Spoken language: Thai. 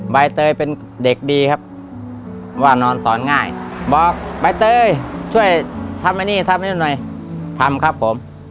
ใบเตยเป็นเด็กดีครับว่านอนสอนง่ายบอกใบเตยช่วยทำไอ้นี่ทำไอ้นั่นหน่อยทำครับผม